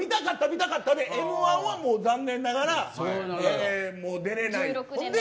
見たかったでＭ‐１は残念ながらもう出れない。